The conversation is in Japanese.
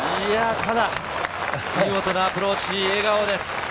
ただ見事なアプローチ、笑顔です。